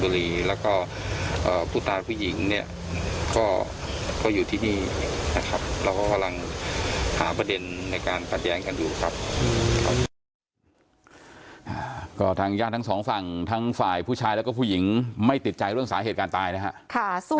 เราก็กำลังหาประเด็นในการประแดนกันอยู่ครับ